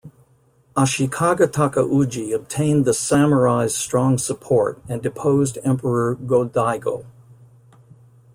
Ashikaga Takauji obtained the samurai's strong support, and deposed Emperor Go-Daigo.